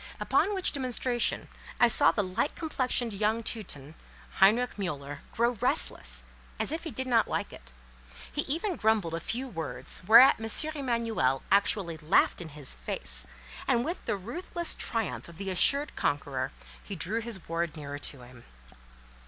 Upon which demonstration, I saw the light complexioned young Teuton, Heinrich Mühler, grow restless, as if he did not like it. He even grumbled a few words, whereat M. Emanuel actually laughed in his face, and with the ruthless triumph of the assured conqueror, he drew his ward nearer to him.